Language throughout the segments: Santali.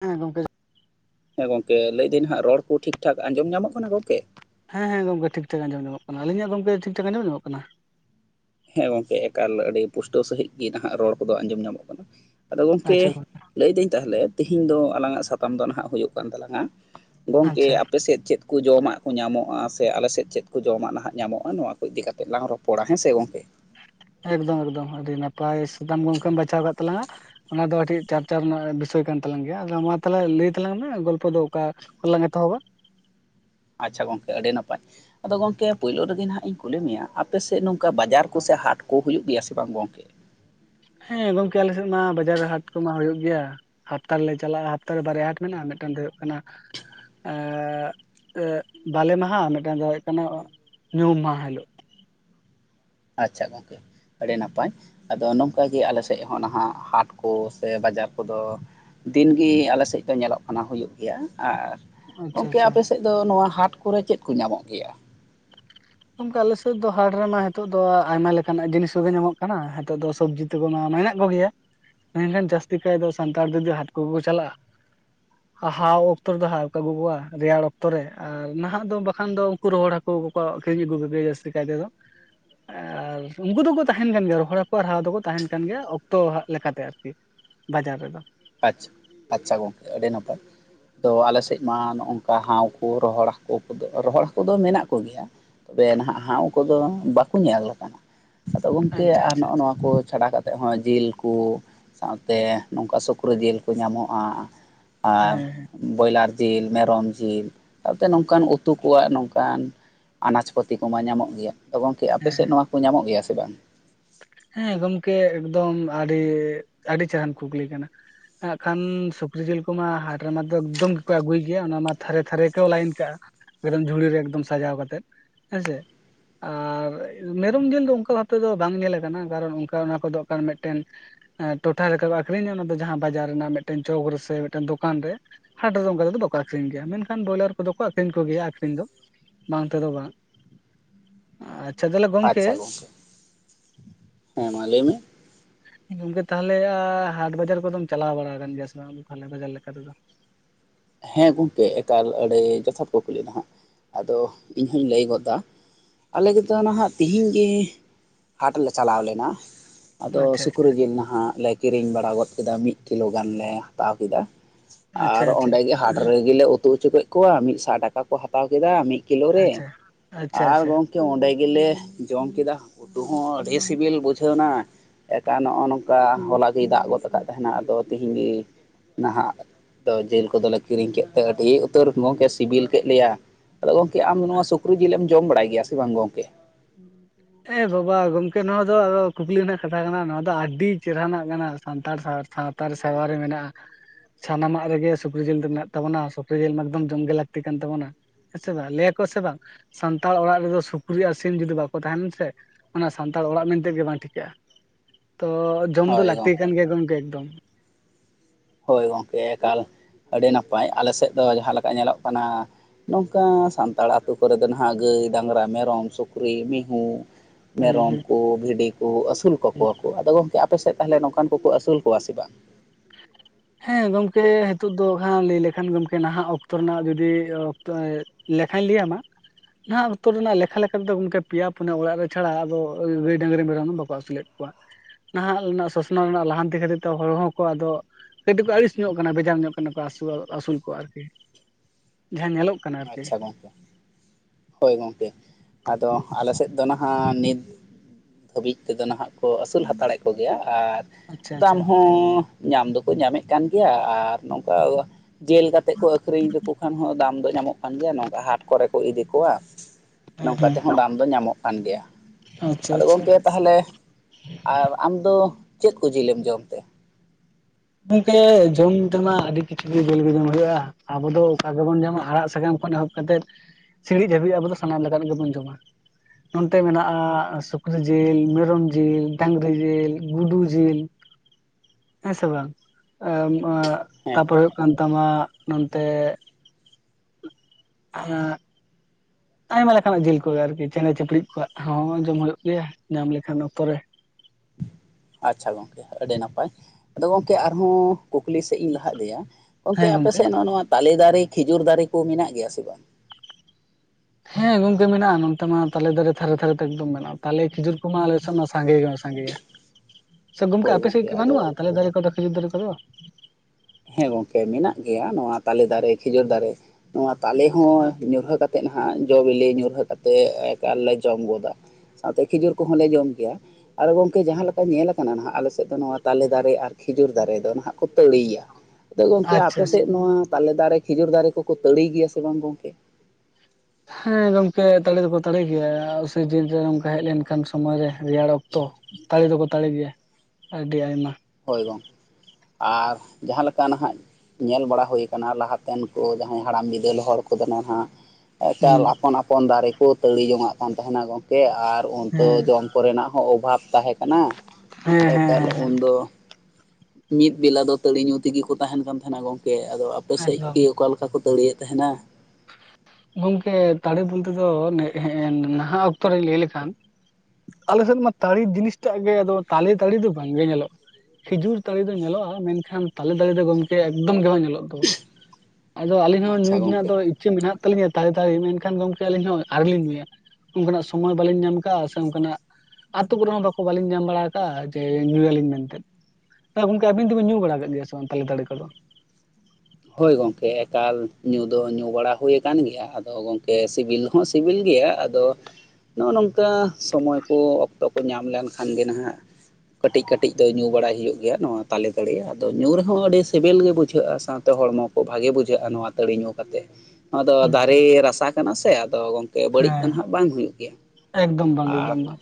ᱦᱮᱸ ᱜᱚᱝᱠᱮ ᱦᱮᱸ ᱜᱚᱝᱠᱮ ᱞᱟᱹᱭ ᱮᱟᱹᱤᱱ ᱦᱟᱸᱜ ᱨᱚᱲ ᱠᱚ ᱴᱷᱤᱠ ᱴᱷᱟᱠ ᱟᱸᱡᱚᱢ ᱧᱟᱢᱚᱜ ᱠᱟᱱᱟ ᱜᱚᱝᱠᱮ ᱦᱮᱸ ᱦᱮᱸ ᱜᱚᱢᱠᱮ ᱴᱷᱤᱠ ᱴᱷᱟᱠ ᱟᱡᱚᱢ ᱧᱟᱢ ᱠᱟᱱᱟ ᱟᱹᱞᱤᱧᱟᱜ ᱜᱚᱢᱠᱮ ᱴᱷᱤᱠ ᱴᱷᱟᱠ ᱟᱸᱡᱚᱢ ᱧᱟᱢᱚᱜ ᱠᱟᱱᱟ ᱦᱮᱸ ᱜᱚᱢᱠᱮ ᱮᱠᱟᱞ ᱟᱹᱰᱤ ᱯᱩᱥᱴᱟᱹᱣ ᱥᱟᱺᱦᱤᱡ ᱜᱮ ᱱᱟᱦᱟᱜ ᱨᱚᱲ ᱠᱚᱫᱚ ᱟᱸᱡᱚᱢ ᱧᱟᱢᱚᱜ ᱠᱟᱱᱟ ᱟᱫᱚ ᱜᱚᱢᱠᱮ ᱟᱪᱪᱷᱟ ᱜᱚᱝᱠᱮ ᱞᱟᱹᱭᱫᱟᱹᱧ ᱛᱟᱦᱚᱞᱮ ᱛᱮᱦᱤᱧ ᱫᱚ ᱟᱞᱟᱝᱟᱜ ᱥᱟᱛᱟᱢ ᱫᱚ ᱱᱟᱦᱟᱜ ᱦᱩᱭᱩᱜ ᱠᱟᱱ ᱛᱟᱞᱟᱝᱟ ᱜᱚᱝᱠᱮ ᱟᱪᱪᱷᱟ ᱟᱯᱮᱥᱮᱫ ᱪᱮᱫ ᱠᱚ ᱡᱚᱢᱟᱜ ᱠᱚ ᱧᱟᱢᱚᱜᱼᱟ ᱥᱮ ᱟᱞᱮᱥᱮᱫ ᱪᱮᱫ ᱠᱚ ᱡᱚᱢᱟᱜ ᱱᱟᱦᱟᱜ ᱧᱟᱢᱚᱜᱼᱟ ᱱᱚᱣᱟ ᱠᱚ ᱤᱫᱤ ᱠᱟᱛᱮ ᱞᱟᱝ ᱨᱚᱯᱚᱲᱟ ᱦᱮᱸ ᱥᱮ ᱵᱟᱝ ᱯᱮ ᱮᱠᱫᱚᱢ ᱮᱠᱫᱚᱢ ᱟᱹᱰᱤ ᱱᱟᱯᱟᱭ ᱥᱟᱛᱟᱢ ᱜᱚᱝᱠᱮᱢ ᱵᱟᱪᱷᱟᱣ ᱠᱟᱫ ᱛᱟᱞᱟᱝᱼᱟ ᱚᱱᱟ ᱫᱚ ᱟᱴᱤᱡ ᱪᱟᱨᱪᱟ ᱨᱮᱱᱟᱜ ᱵᱤᱥᱚᱭ ᱠᱟᱱ ᱛᱟᱞᱟᱝ ᱜᱮᱭᱟ ᱟᱫᱚ ᱢᱟ ᱛᱟᱦᱮ ᱞᱟᱹᱭ ᱛᱟᱞᱟᱝ ᱢᱮ ᱜᱚᱞᱯᱚ ᱫᱚ ᱚᱠᱟ ᱦᱚᱞᱟᱝ ᱮᱛᱚᱦᱚᱵᱟ ᱟᱪᱪᱷᱟ ᱜᱚᱝᱠᱮ ᱟᱹᱰᱤ ᱱᱟᱯᱟᱭ ᱟᱫᱚ ᱜᱚᱝᱠᱮ ᱯᱳᱭᱞᱳ ᱨᱮᱜᱮ ᱦᱟᱜ ᱤᱧ ᱠᱩᱞᱤ ᱢᱮᱭᱟ ᱟᱯᱮᱥᱮᱫ ᱱᱚᱝᱠᱟ ᱵᱟᱡᱟᱨ ᱠᱚᱥᱮ ᱦᱟᱴ ᱠᱚ ᱦᱩᱭᱩᱜ ᱜᱮᱭᱟ ᱥᱮ ᱵᱟᱝ ᱜᱚᱝᱠᱮ ᱦᱮᱸ ᱜᱚᱝᱠᱮ ᱟᱞᱮᱥᱮᱫ ᱢᱟ ᱵᱟᱡᱟᱨ ᱦᱟᱴ ᱠᱚᱢᱟ ᱦᱩᱭᱩᱜ ᱜᱮᱭᱟ ᱦᱟᱯᱛᱟ ᱨᱮᱞᱮ ᱪᱟᱞᱟᱜᱼᱟ ᱦᱟᱯᱛᱟᱨᱮ ᱵᱟᱨᱭᱟ ᱦᱟᱴ ᱢᱮᱱᱟᱜᱼᱟ ᱢᱤᱫᱴᱮᱱ ᱫᱚ ᱦᱩᱭᱩᱜ ᱠᱟᱱᱟ ᱟᱜ ᱵᱟᱞᱮ ᱢᱟᱦᱟ ᱟᱨ ᱢᱤᱫᱴᱟᱝ ᱫᱚ ᱦᱩᱭᱩᱜ ᱠᱟᱱᱟ ᱧᱩᱢ ᱢᱟᱦᱟ ᱦᱤᱞᱳᱜ ᱟᱪᱪᱷᱟ ᱜᱚᱝᱠᱮ ᱟᱹᱰᱤ ᱱᱟᱯᱟᱭ ᱟᱫᱚ ᱱᱚᱝᱠᱟᱜ ᱜᱮ ᱟᱞᱮ ᱥᱮᱫ ᱦᱚᱸ ᱱᱟᱦᱟᱜ ᱦᱟᱴ ᱠᱚ ᱥᱮ ᱵᱟᱡᱟᱨ ᱠᱚᱫᱚ ᱫᱤᱱᱜᱮ ᱟᱞᱮᱥᱮᱫ ᱫᱚ ᱧᱮᱞᱚᱜ ᱠᱟᱱᱟ ᱦᱩᱭᱩᱜ ᱜᱮᱭᱟ ᱟᱨ ᱟᱪᱪᱷᱟ ᱜᱚᱝᱠᱮ ᱟᱪᱪᱷᱟ ᱟᱯᱮ ᱥᱮᱫ ᱫᱚ ᱱᱚᱣᱟ ᱦᱟᱴ ᱠᱚᱨᱮ ᱪᱮᱫ ᱠᱚ ᱧᱟᱢᱚᱜ ᱜᱮᱭᱟ ᱜᱚᱝᱠᱮ ᱟᱞᱮᱥᱮᱫ ᱫᱚ ᱦᱟᱴ ᱨᱮᱢᱟ ᱱᱤᱛᱚᱜ ᱫᱚ ᱟᱭᱢᱟ ᱞᱮᱠᱟᱱᱟᱜ ᱡᱤᱱᱤᱥ ᱠᱚᱜᱮ ᱧᱟᱢᱚᱜ ᱠᱟᱱᱟ ᱱᱤᱛᱚᱜ ᱫᱚ ᱥᱚᱵᱽᱡᱤ ᱢᱮᱱᱟᱜ ᱠᱚᱜᱮᱭᱟ ᱢᱮᱱᱠᱷᱟᱱ ᱡᱟᱹᱥᱛᱤ ᱠᱟᱭ ᱫᱚ ᱥᱟᱱᱛᱟᱲ ᱡᱩᱫᱤ ᱦᱟᱴ ᱠᱚᱠᱚ ᱪᱟᱞᱟᱜᱼᱟ ᱦᱟᱣ ᱚᱠᱛᱚ ᱨᱮᱫᱚ ᱦᱟᱣ ᱠᱚ ᱟᱹᱜᱩᱠᱚᱣᱟ ᱨᱮᱭᱟᱲ ᱚᱠᱛᱚ ᱨᱮ ᱟᱨ ᱱᱟᱦᱟᱜ ᱫᱚ ᱵᱟᱠᱷᱟᱱ ᱫᱚ ᱩᱱᱠᱩ ᱨᱚᱦᱚᱲ ᱦᱟᱹᱠᱩ ᱜᱩᱜ ᱯᱮ ᱡᱟᱹᱥᱛᱤ ᱠᱟᱭ ᱛᱮᱫᱚ ᱟᱨ ᱩᱱᱠᱩ ᱫᱚᱠᱚ ᱛᱟᱦᱮᱱ ᱠᱟᱱ ᱜᱮᱭᱟ ᱨᱚᱦᱚᱲ ᱦᱟᱠᱩ ᱟᱨ ᱦᱟᱣ ᱫᱚᱠᱚ ᱛᱟᱦᱮᱱ ᱠᱟᱱ ᱜᱮᱭᱟ ᱚᱠᱛᱚ ᱞᱮᱠᱟᱛᱮ ᱟᱨᱠᱤ ᱵᱟᱡᱟᱨ ᱨᱮᱫᱚ ᱟᱪᱪᱷᱟ ᱜᱚᱢᱠᱮ ᱟᱹᱰᱤ ᱱᱟᱯᱟᱭ ᱛᱚ ᱟᱞᱮ ᱥᱮᱫ ᱢᱟ ᱱᱚᱜ ᱱᱚᱝᱠᱟ ᱦᱟᱣ ᱠᱚ ᱨᱚᱦᱚᱲ ᱦᱟᱹᱠᱩ ᱨᱚᱦᱚᱲ ᱦᱟᱹᱠᱩ ᱫᱚ ᱢᱮᱱᱟᱜ ᱠᱚᱜᱮᱭᱟ ᱛᱚᱵᱮ ᱱᱟᱦᱟᱜ ᱦᱟᱣ ᱠᱚᱫᱚ ᱵᱟᱠᱚ ᱧᱮᱞᱠᱟᱱᱟ ᱟᱫᱚ ᱜᱚᱢᱠᱮ ᱟᱪᱪᱷᱟ ᱟᱨ ᱟᱪᱪᱷᱟ ᱱᱚᱜᱼᱚ ᱟᱪᱪᱷᱟ ᱱᱚᱣᱟ ᱠᱚ ᱪᱷᱟᱰᱟ ᱠᱟᱛᱮ ᱦᱚᱸ ᱡᱤᱞ ᱠᱚ ᱥᱟᱶᱛᱮ ᱱᱚᱝᱠᱟ ᱥᱩᱠᱨᱤ ᱯᱩᱨᱟᱹ ᱡᱤᱞ ᱠᱚ ᱧᱟᱢᱚᱜᱼᱟ ᱟᱨ ᱦᱮᱸ ᱵᱚᱭᱞᱟᱨ ᱡᱤᱞ ᱢᱮᱨᱚᱢ ᱡᱤᱞ ᱟᱫᱚ ᱱᱚᱝᱠᱟᱱ ᱩᱛᱩ ᱠᱚᱣᱟᱜ ᱱᱚᱝᱠᱟᱱ ᱟᱱᱟᱡ ᱯᱟᱹᱛᱤ ᱠᱚ ᱢᱟ ᱧᱟᱢᱚᱜ ᱜᱮᱭᱟ ᱟᱫᱚ ᱜᱚᱝᱠᱮ ᱦᱮᱸ ᱟᱯᱮᱮᱥᱮᱫ ᱱᱚᱣᱟ ᱠᱚ ᱧᱟᱢᱚᱜ ᱜᱮᱭᱟ ᱥᱮ ᱵᱟᱝ? ᱦᱮᱸ ᱜᱚᱢᱠᱮ ᱮᱠᱫᱚᱢ ᱟᱹᱰᱤ ᱟᱹᱰᱤ ᱪᱮᱦᱨᱟᱱ ᱠᱩᱠᱞᱤ ᱠᱟᱱᱟ᱾ ᱦᱟᱸᱜ ᱠᱷᱟᱱ ᱥᱩᱠᱨᱤ ᱡᱤᱞ ᱠᱚᱢᱟ ᱦᱟᱴ ᱨᱮᱢᱟ ᱮᱠᱫᱚᱢ ᱜᱮᱠᱚ ᱟᱹᱜᱩᱭ ᱜᱮᱭᱟ ᱚᱱᱟ ᱢᱟ ᱛᱷᱷᱟᱨᱮ ᱛᱷᱟᱨᱮ ᱠᱚ ᱞᱟᱭᱤᱱ ᱠᱟᱜᱼᱟ᱾ ᱯᱩᱨᱟᱹᱢ [unintelligible] ᱡᱷᱩᱲᱤ ᱨᱮ ᱮᱠᱫᱚᱢ ᱥᱟᱡᱟᱣ ᱠᱟᱛᱮᱮᱫ ᱦᱮᱸᱥᱮ? ᱟᱨ ᱢᱮᱨᱚᱢ ᱡᱤᱞ ᱫᱚ ᱚᱱᱠᱟ ᱵᱷᱟᱵ ᱛᱮᱫᱚ ᱵᱟᱝ ᱧᱮᱞ ᱟᱠᱟᱱᱟ ᱠᱟᱨᱚᱱ ᱚᱱᱠᱟ ᱚᱱᱟ ᱠᱚᱫᱚᱠᱟᱨ ᱢᱮᱫᱴᱮᱱ ᱴᱚᱴᱷᱟ ᱞᱮᱠᱟ ᱟᱠᱷᱨᱤᱧᱟ ᱚᱱᱟ ᱫᱚ ᱡᱟᱦᱟᱸ ᱵᱟᱡᱟᱨ ᱨᱮᱱᱟᱜ ᱢᱤᱫᱴᱮᱱ ᱪᱚᱠ ᱨᱮ ᱢᱤᱫᱴᱮᱱ ᱫᱚᱠᱟᱱ ᱨᱮ ᱦᱟᱴ ᱨᱮᱫᱚ ᱚᱱᱠᱟ ᱛᱮᱫᱚ ᱵᱟᱠᱚ ᱟᱠᱷᱨᱤᱧ ᱜᱮᱭᱟ ᱢᱮᱱᱠᱷᱟᱱ ᱵᱚᱭᱞᱟᱨ ᱠᱚᱫᱚ ᱠᱚ ᱟᱠᱷᱨᱤᱧ ᱠᱚᱜᱭᱟ ᱟᱠᱷᱨᱤᱧ ᱫᱚ ᱵᱟᱝ ᱛᱮᱫᱚ ᱵᱟᱝ ᱟᱪᱪᱷᱟ ᱛᱟᱦᱚᱞᱮ ᱟᱪᱪᱷᱟ ᱜᱚᱝᱠᱮ ᱦᱮᱸ ᱢᱟ ᱞᱟᱹᱭ ᱢᱮ ᱜᱚᱝᱠᱮ ᱛᱟᱦᱚᱞᱮ ᱦᱟᱴ ᱵᱟᱡᱟᱨ ᱠᱚᱫᱚᱢ ᱪᱟᱞᱟᱣ ᱵᱟᱲᱟ ᱟᱠᱟᱱ ᱜᱮᱭᱟ ᱥᱮ ᱵᱟᱝ ᱯᱟᱦᱞᱮ ᱵᱟᱡᱟᱨ ᱞᱮᱠᱟᱛᱮᱫᱚ ᱦᱮᱸ ᱜᱚᱢᱠᱮ ᱮᱠᱟᱞ ᱟᱹᱲᱟᱹᱭ ᱡᱚᱛᱷᱟ ᱠᱩᱠᱞᱤ ᱦᱟᱸᱜ ᱟᱫᱚ ᱤᱧ ᱦᱚᱧ ᱞᱟᱹᱭ ᱜᱚᱫᱟ ᱟᱞᱮᱫᱚ ᱱᱟᱦᱟᱜ ᱛᱮᱦᱤᱧ ᱜᱮ ᱦᱟᱴ ᱞᱮ ᱪᱟᱞᱟᱣ ᱞᱮᱱᱟ ᱟᱫᱚ ᱟᱪᱪᱷᱟ ᱟᱪᱪᱷᱟ ᱥᱩᱠᱨᱤ ᱡᱤᱞ ᱱᱟᱦᱟᱜ ᱞᱮ ᱠᱤᱨᱤᱧ ᱵᱟᱲᱟ ᱜᱚᱫ ᱠᱮᱫᱟ ᱢᱤᱫ ᱠᱤᱞᱳ ᱜᱟᱱᱞᱮ ᱦᱟᱛᱟᱣ ᱠᱮᱫᱟ ᱟᱨ ᱟᱪᱪᱷᱟ ᱟᱪᱪᱷᱟ ᱚᱸᱰᱮᱜᱮ ᱦᱟᱴ ᱨᱮᱜᱮ ᱞᱮ ᱩᱛᱩ ᱦᱚᱪᱚ ᱠᱮᱫ ᱠᱚᱣᱟ ᱢᱤᱫ ᱥ ᱴᱟᱠᱟ ᱠᱚ ᱦᱟᱛᱟᱣ ᱠᱮᱫᱟ ᱢᱤᱫ ᱠᱤᱞᱳ ᱨᱮ ᱟᱪᱪᱷᱟ ᱟᱪᱪᱷᱟ ᱟᱨ ᱟᱪᱪᱷᱟ ᱜᱚᱝᱠᱮ ᱡᱮ ᱚᱸᱰᱮ ᱜᱮᱞᱮ ᱡᱚᱢ ᱠᱮᱫᱟ ᱩᱛᱩ ᱦᱚᱸ ᱟᱹᱰᱤ ᱥᱤᱵᱤᱞ ᱵᱩᱡᱷᱟᱹᱣ ᱱᱟ᱾ ᱮᱠᱟ ᱱᱚᱜᱼᱚ ᱱᱚᱝᱠᱟ ᱦᱚᱞᱟ ᱜᱮᱭ ᱫᱟᱜ ᱜᱚᱫ ᱟᱠᱟᱫ ᱛᱟᱦᱮᱱᱟ ᱟᱫᱚ ᱛᱮᱤᱦᱤᱧ ᱜᱮ ᱱᱟᱦᱟᱜ ᱫᱚ ᱡᱤᱞ ᱠᱚᱫᱚ ᱞᱮ ᱠᱤᱨᱤᱧ ᱠᱮᱫ ᱛᱮ ᱟᱹᱰᱤ ᱩᱛᱟᱹᱨ ᱜᱚᱢᱠᱮ ᱥᱤᱵᱤᱞ ᱠᱮᱫ ᱞᱮᱭᱟ ᱟᱫᱚ ᱜᱚᱢᱠᱮ ᱟᱢ ᱱᱚᱣᱟ ᱥᱩᱠᱨᱤ ᱡᱤᱞ ᱮᱢ ᱡᱚᱢ ᱵᱟᱲᱟᱭ ᱜᱮᱭᱟ ᱥᱮ ᱵᱟᱝ ᱜᱚᱝᱠᱮ ᱮ ᱵᱟᱵᱟ ᱜᱚᱢᱠᱮ ᱱᱚᱣᱟ ᱫᱚ ᱠᱩᱠᱞᱤ ᱨᱮᱱᱟᱜ ᱠᱟᱛᱷᱟ ᱠᱟᱱᱟ ᱱᱚᱣᱟ ᱫᱚ ᱟᱹᱰᱤ ᱪᱮᱦᱟᱱᱟᱜ ᱠᱟᱱᱟ ᱥᱟᱱᱛᱟᱲ ᱥᱟᱶ, ᱥᱟᱶ ᱛᱟᱨ ᱥᱟᱣᱟᱨ [unintelligible] ᱨᱮ ᱢᱮᱱᱟᱜᱼᱟ᱾ ᱥᱟᱱᱟᱢᱟᱜ ᱨᱮᱜᱮ ᱥᱩᱠᱨᱤ ᱡᱤᱞ ᱫᱚ ᱢᱮᱱᱟᱜ ᱛᱟᱵᱚᱱᱟ ᱥᱩᱠᱨᱤ ᱡᱤᱞ ᱮᱠᱫᱚᱢ ᱡᱚᱢ ᱜᱮ ᱞᱟᱹᱠᱛᱤ ᱠᱟᱱ ᱛᱟᱵᱚᱱᱟ᱾ ᱦᱮᱸ ᱥᱮ ᱵᱟᱝ ᱞᱟᱹᱭᱟᱠᱚ ᱥᱮ ᱵᱟᱝ ᱥᱟᱱᱛᱟᱲ ᱚᱲᱟᱜ ᱨᱮᱫᱚ ᱥᱩᱠᱨᱤ ᱟᱨ ᱥᱤᱢ ᱡᱩᱫᱤ ᱵᱟᱠᱚ ᱛᱟᱦᱮᱱ ᱥᱮ ᱚᱱᱟ ᱥᱟᱱᱛᱟᱲ ᱚᱲᱟᱜ ᱢᱮᱱᱛᱮ ᱜᱮ ᱵᱟᱝ ᱴᱷᱤᱠᱟᱹᱜᱼᱟ, ᱛᱚ ᱡᱚᱢ ᱫᱚ ᱦᱳᱭ ᱞᱟᱹᱠᱛᱤ ᱜᱚᱢᱠᱮ ᱠᱟᱱ ᱜᱮᱭᱟ ᱜᱚᱢᱠᱮ ᱮᱠᱫᱚᱢ᱾ ᱦᱳᱭ ᱜᱚᱢᱠᱮ ᱮᱠᱟᱞ ᱟᱹᱰᱤ ᱱᱟᱯᱟᱭ ᱟᱞᱮ ᱥᱮᱫ ᱫᱚ ᱡᱟᱦᱟ ᱞᱮᱠᱟ ᱧᱮᱞᱚᱜ ᱠᱟᱱᱟ, ᱱᱚᱝᱠᱟ ᱥᱟᱱᱛᱟᱲ ᱟᱛᱳ ᱠᱚᱨᱮ ᱫᱚ ᱱᱟᱦᱟᱜ ᱜᱟᱹᱭᱼ ᱰᱟᱝᱨᱟ ᱢᱮᱨᱚᱢ ᱥᱩᱠᱨᱤ ᱢᱤᱦᱩᱸ ᱦᱩᱸ ᱢᱮᱨᱚᱢ ᱦᱩᱸ ᱠᱚ ᱵᱷᱤᱰᱤ ᱠᱚ ᱟᱹᱥᱩᱞ ᱦᱩᱸ ᱠᱚᱠᱚᱣᱟ ᱠᱚ ᱟᱫᱚ ᱜᱚᱢᱠᱮ ᱟᱯᱮᱮᱥᱮᱫ ᱛᱟᱦᱚᱞᱮ ᱱᱚᱝᱠᱟᱱ ᱠᱚᱠᱚ ᱟᱹᱥᱩᱞ ᱠᱚᱣᱟ ᱥᱮ ᱵᱟᱝ? ᱦᱮᱸ ᱜᱚᱢᱠᱮ ᱱᱤᱛᱚᱜ ᱫᱚ ᱞᱟᱹᱭ ᱞᱮᱠᱷᱟᱱ ᱜᱚᱢᱠᱮ ᱱᱟᱦᱟᱜ ᱚᱠᱛᱚ ᱨᱮᱱᱟᱜ ᱡᱩᱫᱤ ᱞᱮᱠᱷᱟᱱᱧ ᱞᱟᱹᱭᱟᱢᱟ? ᱱᱚᱣᱟ ᱚᱠᱛᱚ ᱨᱮᱱᱟᱜ ᱞᱮᱠᱷᱟ ᱞᱮᱠᱟ ᱛᱮᱫᱚ ᱜᱚᱢᱠᱮ ᱯᱮᱭᱟ ᱯᱩᱱᱭᱭᱟ ᱚᱲᱟᱜ ᱨᱮ ᱪᱷᱟᱲᱟ ᱟ ᱜᱟᱹᱭ ᱰᱟᱝᱨᱤ ᱢᱮᱨᱚᱢ ᱦᱚᱸ ᱵᱟᱠᱚ ᱟᱹᱥᱩᱞᱮᱫ ᱠᱚᱣᱟ᱾ ᱱᱟᱦᱟᱜ ᱨᱮᱱᱟᱜ ᱥᱚᱥᱱᱚᱜ ᱨᱮᱱᱟᱜ ᱞᱟᱦᱟᱱᱛᱤ ᱠᱷᱟᱹᱛᱤᱨ ᱛᱮ ᱦᱚᱲ ᱦᱚᱸᱚᱠᱚ ᱟᱫᱚ ᱠᱟᱹᱴᱤᱡ ᱠᱚ ᱟᱹᱲᱤᱥ ᱧᱚᱜ ᱠᱟᱱᱟ ᱵᱷᱮᱡᱟᱨ ᱧᱚᱜ ᱠᱟᱱᱟ ᱠᱚᱩᱞ ᱟᱹᱥᱩᱞ ᱠᱚᱣᱟ ᱟᱨᱠᱤ ᱡᱟᱦᱟᱸ ᱧᱮᱞᱚᱜ ᱠᱟᱱᱟ ᱟᱨᱠᱤ ᱟᱪᱪᱷᱟ ᱜᱚᱢᱠᱮ᱾ ᱦᱳᱭ ᱜᱚᱢᱠᱮ ᱟᱫᱚ ᱟᱞᱮ ᱥᱮᱫ ᱫᱚ ᱱᱟᱦᱟᱜ ᱱᱤᱛ ᱫᱷᱟᱹᱵᱤᱡ ᱛᱮᱫᱚ ᱱᱟᱦᱟᱜ ᱠᱚ ᱟᱹᱥᱩᱞ ᱦᱟᱛᱟᱲᱮᱫ ᱠᱚᱜᱮᱭᱟ, ᱟᱨ ᱟᱪᱪᱷᱟ ᱟᱪᱪᱷᱟ ᱫᱟᱢ ᱦᱚᱸ ᱧᱟᱢ ᱫᱚᱠᱚ ᱧᱟᱢᱮᱫ ᱠᱟᱱ ᱜᱮᱭᱟ ᱟᱨ ᱱᱚᱝᱠᱟ ᱡᱮᱞ ᱠᱟᱛᱮᱜ ᱠᱚ ᱟᱹᱷᱨᱤᱧ ᱞᱮᱠᱚ ᱠᱷᱟᱱ ᱦᱚᱸ ᱫᱟᱢ ᱫᱚ ᱧᱟᱢᱚᱜ ᱠᱟᱱ ᱜᱮᱭᱟ ᱱᱚᱝᱠᱟ ᱦᱟᱴ ᱠᱚᱨᱮ ᱠᱚ ᱤᱫᱤ ᱠᱚᱣᱟ᱾ ᱦᱮᱸ ᱱᱚᱝᱠᱟ ᱦᱮᱸ ᱛᱮᱦᱚᱸ ᱫᱟᱢ ᱫᱚ ᱧᱟᱢᱚᱜ ᱠᱟᱱ ᱜᱮᱭᱟ, ᱟᱪᱪᱷᱟ ᱟᱫᱚ ᱟᱪᱪᱷᱟ ᱜᱚᱝᱠᱮ ᱛᱟᱦᱚᱞᱮ ᱟᱨ ᱟᱢᱫᱚ ᱪᱮᱫ ᱠᱚ ᱡᱤᱞᱮᱢ ᱡᱚᱢᱛᱮ? ᱜᱚᱢᱠᱮ ᱡᱚᱢ ᱛᱮᱢᱟ ᱟᱹᱰᱤ ᱠᱤᱪᱷᱩ ᱜᱮ ᱡᱤᱞ ᱜᱮ ᱡᱚᱢ ᱦᱩᱭᱩᱜᱼᱟ᱾ ᱟᱵᱚ ᱫᱚ ᱚᱠᱟ ᱜᱮᱵᱚᱱ ᱧᱟᱢᱟ ᱟᱲᱟᱜ ᱥᱟᱠᱟᱢ ᱠᱷᱚᱱ ᱮᱦᱚᱵ ᱠᱟᱛᱮᱫ ᱥᱤᱸᱲᱤᱡ ᱫᱷᱟᱹᱵᱤᱡ ᱟᱵᱚ ᱥᱟᱱᱟᱢ ᱞᱮᱠᱟᱱᱟᱜ ᱜᱮᱵᱚᱱ ᱡᱚᱢᱟ᱾ ᱱᱚᱱᱛᱮ ᱢᱮᱱᱟᱜᱼᱟ ᱥᱩᱠᱨᱤ ᱡᱤᱞ ᱢᱮᱨᱚᱢ ᱡᱤᱞ ᱰᱟᱝᱨᱤ ᱡᱤᱞ ᱜᱩᱰᱩ ᱡᱤᱞ᱾ ᱦᱮᱸ ᱥᱮ ᱵᱟᱝ? ᱮᱢ ᱮ ᱦᱮᱸ ᱛᱟᱯᱚᱨᱮ ᱦᱩᱭᱩᱜ ᱠᱟᱱ ᱛᱟᱢᱟ ᱱᱚᱱᱛᱮ ᱮᱸᱜ ᱟᱭᱢᱟ ᱞᱮᱠᱟᱱᱟᱜ ᱡᱤᱞ ᱠᱚᱜᱮ ᱟᱨᱠᱤ ᱪᱮᱬᱮ ᱪᱤᱯᱲᱩ ᱠᱚᱣᱟᱜ ᱦᱚᱸ ᱡᱚᱢ ᱦᱩᱭᱩᱜ ᱜᱮᱭᱟ ᱧᱟᱢ ᱞᱮᱠᱷᱟᱱ ᱚᱠᱛᱚ ᱨᱮ᱾ ᱟᱪᱪᱷᱟ ᱜᱚᱝᱠᱮ ᱟᱹᱰᱤ ᱱᱟᱯᱟᱭ ᱟᱫᱚ ᱜᱚᱢᱠᱮ ᱟᱨᱦᱚᱸ ᱠᱩᱠᱞᱤ ᱥᱮᱫ ᱤᱧ ᱞᱟᱦᱟ ᱤᱫᱤᱭᱟ ᱜᱚᱝᱠᱮ ᱟᱯᱮᱥᱮᱫ ᱱᱚᱜ ᱱᱚᱣᱟ ᱛᱟᱞᱮ ᱫᱟᱨᱮ ᱠᱷᱤᱡᱩᱨ ᱫᱟᱨᱮ ᱠᱚ ᱢᱮᱱᱟᱜ ᱜᱮᱭᱟ ᱥᱮ ᱵᱟᱝ ᱦᱮᱸ ᱜᱚᱝᱠᱮ ᱢᱮᱱᱟᱜ-ᱟ ᱱᱚᱱᱛᱮ ᱢᱟ ᱛᱟᱞᱮ ᱫᱟᱨᱮᱷᱟᱨᱮ ᱛᱷᱟᱨᱮ ᱛᱮ ᱮᱠᱫᱚᱢ ᱢᱮᱱᱟᱜ-ᱟ ᱛᱟᱞᱮ ᱠᱷᱤᱡᱩᱨ ᱠᱚᱢᱟ ᱟᱞᱮ ᱥᱮᱫ ᱢᱟ ᱥᱟᱸᱜᱮ ᱜᱮ ᱥᱟᱸᱜᱮᱭᱟ ᱥᱮ ᱜᱚᱝᱠᱮ ᱦᱳᱭ ᱟᱯᱮ ᱥᱮᱫ ᱜᱚᱢᱠᱮ ᱜᱮ ᱟᱫᱚ ᱵᱟᱹᱱᱩᱜ-ᱟ ᱛᱟᱞᱮ ᱫᱟᱨᱮ ᱠᱚᱫᱚ ᱠᱷᱤᱡᱩᱨ ᱫᱟᱨᱮ ᱠᱚᱫᱚ ᱦᱮᱸ ᱜᱚᱝᱠᱮ ᱢᱮᱱᱟᱜ ᱜᱮᱭᱟ ᱱᱚᱣᱟ ᱛᱟᱞᱮ ᱫᱟᱨᱮ ᱠᱷᱤᱡᱩᱨ ᱫᱟᱨᱮ ᱱᱚᱣᱟ ᱛᱟᱞᱮ ᱦᱚᱸ ᱧᱩᱨᱦᱟᱹ ᱠᱟᱛᱮ ᱠᱟᱛᱮᱫ ᱱᱟᱦᱜ ᱡᱚ ᱵᱤᱞᱤ ᱧᱩᱨᱦᱟᱹ ᱠᱟᱛᱮᱫ ᱮᱠᱟᱞ ᱞᱮ ᱡᱚᱢ ᱜᱚᱫᱟ ᱥᱟᱶᱛᱮ ᱠᱷᱤᱡᱩᱨ ᱠᱚᱦᱚᱸ ᱞᱮ ᱡᱚᱢ ᱜᱮᱭᱟ᱾ ᱟᱫᱚ ᱜᱚᱝᱠᱮ ᱡᱟᱦᱟᱸ ᱞᱮᱠᱟ ᱧᱮᱞ ᱟᱠᱟᱱᱟ ᱱᱟᱦᱟᱜ ᱟᱞᱮᱮᱥᱮᱫ ᱫᱚ ᱱᱚᱣᱟ ᱛᱟᱞᱮ ᱫᱟᱨᱮ ᱟᱨ ᱠᱷᱤᱡᱩᱨ ᱫᱟᱨᱮ ᱫᱚ ᱱᱟᱦᱟᱜ ᱠᱚ ᱛᱟᱹᱲᱤᱭᱟ᱾ ᱟᱫᱚ ᱜᱚᱝᱠᱮ ᱟᱯᱮ ᱟᱪᱪᱷᱟ ᱥᱮᱫ ᱟᱪᱪᱷᱟ ᱱᱚᱣᱟ ᱛᱟᱞᱮ ᱫᱟᱨᱮ ᱠᱷᱤᱡᱩᱨ ᱫᱟᱨᱮ ᱠᱚᱠᱚ ᱛᱟᱹᱲᱤ ᱜᱮᱭᱟ ᱥᱮ ᱵᱟᱝ ᱜᱚᱝᱠᱮ? ᱦᱮᱸ ᱜᱚᱝᱠᱮ ᱛᱟᱲᱤ ᱫᱚᱠᱚ ᱫᱟᱲᱮ ᱜᱮᱭᱟ ᱥᱤᱡᱤᱱ ᱨᱮ ᱱᱚᱝᱠᱟ ᱦᱮᱡ ᱞᱮᱱᱠᱷᱟᱱ ᱥᱚᱢᱚᱭ ᱨᱮᱭᱟᱲ ᱚᱠᱛᱚ᱾ ᱛᱟᱞᱮ ᱫᱚᱠᱚ ᱛᱟᱲᱤ ᱜᱮᱭᱟ ᱟᱹᱰᱤ ᱟᱭᱢᱟ᱾ ᱦᱳᱭ ᱜᱚᱝᱠᱮ ᱟᱨ ᱡᱟᱦᱟᱸ ᱞᱮᱠᱟ ᱱᱟᱦᱟᱜ ᱧᱮᱞ ᱵᱟᱲᱟ ᱦᱩᱭ ᱠᱟᱱᱟ ᱞᱟᱦᱟᱛᱮᱱ ᱠᱚ ᱡᱟᱦᱟᱸᱭ ᱦᱟᱲᱟᱢ ᱵᱤᱫᱟᱹᱞ ᱦᱚᱲ ᱠᱚᱫᱚ ᱱᱟᱦᱟᱜ ᱦᱮᱸ ᱮᱠᱟᱞ ᱟᱯᱚᱱ ᱟᱯᱚᱱ ᱫᱟᱨᱮ ᱠᱚ ᱛᱟᱹᱲᱤ ᱡᱚᱝᱣᱟᱜ ᱠᱟᱱ ᱛᱟᱦᱮᱱᱟ ᱜᱚᱝᱠᱮ ᱟᱨ ᱚᱱᱛᱚ ᱦᱮᱸ ᱡᱚᱢ ᱠᱚᱨᱮᱱᱟᱜ ᱦᱚᱸ ᱚᱵᱷᱟᱵᱽ ᱛᱟᱦᱮᱸ ᱠᱟᱱᱟ ᱦᱮᱸ ᱮᱠᱟᱞ ᱦᱮᱸ ᱦᱮᱸ ᱩᱱᱫᱚ ᱢᱤᱫ ᱵᱮᱞᱟ ᱫᱚ ᱛᱟᱹᱲᱤ ᱧᱩ ᱛᱮᱜᱮ ᱠᱚ ᱛᱟᱦᱮᱱ ᱠᱟᱱ ᱛᱟᱦᱮᱱᱟ ᱜᱚᱝᱠᱮ ᱟᱫᱚ ᱟᱯᱮᱥᱮᱫ ᱮᱠᱫᱚᱢ ᱜᱮ ᱚᱠᱟ ᱞᱮᱠᱟ ᱠᱚ ᱛᱟᱹᱲᱤ ᱮᱫ ᱛᱟᱦᱮᱱᱟ ᱜᱚᱝᱠᱮ ᱫᱟᱲᱮ ᱵᱚᱞᱛᱮ ᱫᱚ ᱱᱟᱦᱟᱜ ᱚᱠᱛᱚ ᱨᱮ ᱞᱟᱹᱭ ᱞᱮᱠᱷᱟᱱ ᱟᱞᱮᱥᱮᱫ ᱢᱟ ᱛᱟᱹᱲᱤ ᱡᱤᱱᱤᱥᱴᱟᱜ ᱜᱮ ᱟᱫᱚ ᱛᱟᱞᱮ ᱛᱟᱹᱲᱤ ᱫᱚ ᱵᱟᱝᱜᱮ ᱧᱮᱞᱚᱜ ᱠᱷᱤᱡᱩᱨ ᱛᱟᱹᱲᱤ ᱫᱚ ᱧᱮᱞᱚᱜ-ᱟ ᱢᱮᱱᱠᱷᱟᱱ ᱛᱟᱞᱮ ᱛᱟᱹᱲᱤ ᱫᱚ ᱜᱚᱝᱠᱮ ᱮᱠᱫᱚᱢ ᱜᱮ ᱵᱟᱝ ᱧᱮᱞᱚᱜ ᱫᱚ ᱟᱫᱚ ᱟᱹᱞᱤᱧ ᱦᱚᱸ ᱧᱩ ᱟᱪᱪᱷᱟ ᱨᱮᱱᱟᱜ ᱜᱚᱢᱠᱮ ᱫᱚ ᱤᱪᱪᱷᱟᱹ ᱢᱮᱱᱟᱜ ᱛᱟᱞᱮ ᱛᱟᱹᱲᱤ ᱢᱮᱱᱠᱷᱟᱱ ᱜᱚᱢᱠᱮ ᱟᱹᱞᱤᱧ ᱦᱚᱸ ᱟᱹᱶᱨᱤ ᱞᱤᱧ ᱧᱩᱭᱟ ᱚᱱᱠᱟᱱᱟᱜ ᱥᱚᱢᱳᱴᱚᱭ ᱵᱟᱞᱤᱧ ᱧᱟᱢ ᱟᱠᱟᱫᱟ ᱥᱮ ᱚᱱᱠᱟᱱᱟᱜ ᱟᱛᱳ ᱠᱚᱨᱮ ᱦᱚᱸ ᱵᱟᱠᱚ ᱵᱟᱞᱤᱧ ᱧᱟᱢ ᱵᱟᱲᱟ ᱟᱠᱟᱫ-ᱟ ᱡᱮ ᱧᱩᱭᱟᱞᱤᱧ ᱢᱮᱱᱛᱮᱫ ᱜᱚᱢᱠᱮ ᱟᱵᱤᱱ ᱫᱚᱵᱤᱱ ᱧᱩ ᱵᱟᱲᱟ ᱟᱠᱟᱜ ᱜᱮᱭᱟ ᱥᱮ ᱵᱟᱝ ᱛᱟᱞᱮ ᱛᱟᱹᱲᱤ ᱠᱚᱫᱚ ᱦᱳᱭ ᱜᱚᱢᱠᱮ ᱮᱠᱟᱞ ᱧᱩ ᱫᱚ ᱧᱩ ᱵᱟᱲᱟ ᱦᱩᱭ ᱟᱠᱟᱱ ᱜᱮᱭᱟ ᱟᱫᱚ ᱜᱚᱢᱠᱮ ᱥᱤᱵᱤᱞ ᱦᱚᱸ ᱥᱤᱵᱤᱞ ᱜᱮᱭᱟ ᱟᱫᱚ, ᱱᱚᱜ-ᱚ ᱱᱚᱝᱠᱟ ᱥᱚᱢᱚᱭ ᱠᱚ ᱚᱠᱛᱚ ᱠᱚ ᱧᱟᱢ ᱞᱮᱱᱠᱷᱟᱱ ᱜᱮ ᱱᱟᱦᱟᱜ ᱠᱟᱹᱴᱤᱡ ᱠᱟᱹᱴᱤᱡ ᱫᱚ ᱧᱩ ᱵᱟᱲᱟᱭ ᱦᱩᱭᱩᱜ ᱜᱮᱭᱟ ᱱᱚᱣᱟ ᱛᱟᱞᱮ ᱛᱟᱹᱲᱤ ᱟᱫᱚ ᱧᱩ ᱨᱮᱦᱚᱸ ᱟᱹᱰᱤ ᱥᱤᱵᱤᱞ ᱜᱮ ᱵᱩᱡᱷᱟᱹᱜ-ᱟ ᱥᱟᱶ ᱛᱮ ᱦᱚᱲᱢᱚ ᱠᱚ ᱵᱷᱟᱜᱮ ᱵᱩᱡᱷᱟᱹᱜ-ᱟ ᱱᱚᱣᱟ ᱛᱟᱹᱲᱤ ᱧᱩ ᱠᱟᱛᱮ ᱱᱚᱣᱟ ᱫᱚ ᱟᱪᱪᱷᱟ ᱫᱟᱨᱮ ᱨᱟᱥᱟ ᱠᱟᱱᱟ ᱥᱮ ᱟᱫᱚ ᱜᱚᱝ ᱵᱟᱹᱲᱤᱡ ᱫᱚ ᱱᱟᱦᱟᱜ ᱦᱮᱸ ᱵᱟᱝ ᱦᱩᱭᱩᱜ ᱜᱮᱭᱟ ᱮᱠᱫᱚᱢ ᱵᱟᱝ ᱟᱨ ᱮᱠᱫᱚᱢ ᱵᱟᱝ